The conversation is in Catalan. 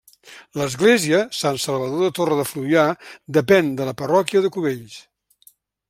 L'església, Sant Salvador de Torre de Fluvià, depèn de la parròquia de Cubells.